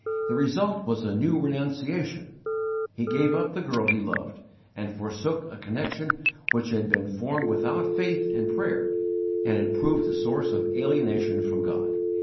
The result was a new renunciation he gave up the girl he loved, and forsook a connection which had been formed without faith and prayer and had proved a source of alienation from God.